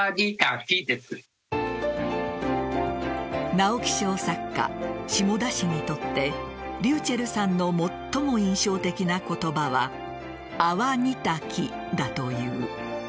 直木賞作家・志茂田氏にとってｒｙｕｃｈｅｌｌさんの最も印象的な言葉はあ・わ・に・た・きだという。